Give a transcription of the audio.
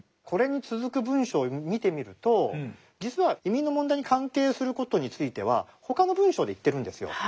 これに続く文章を見てみると実は移民の問題に関係する事については他の文章で言ってるんですよ。